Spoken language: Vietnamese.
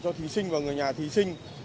cho thí sinh và người nhà thí sinh